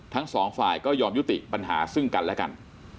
ทั้งสองฝ่ายก็ยอมยุติปัญหาซึ่งกันและกัน